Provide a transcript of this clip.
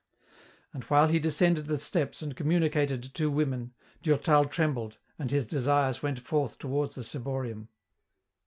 And while he descended the steps and communicated two women, Durtal trembled, and his desires went forth towards the ciborium.